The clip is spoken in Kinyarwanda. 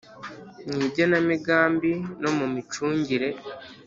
mu igenamigambi no mu micungire